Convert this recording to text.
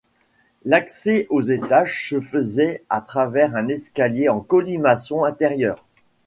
L'accès aux étages se faisait à travers un escalier en colimaçon intérieur.